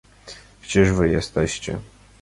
"Gdzież wy jesteście?"